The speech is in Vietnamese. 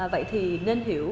vậy thì nên hiểu